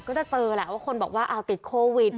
ก็จะเจอแหละว่าคนบอกว่าติดโควิด